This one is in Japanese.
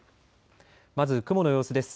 まず雲の様子です。